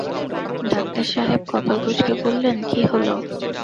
Doctor সাহেব কপাল কুচকে বললেন, কি হল?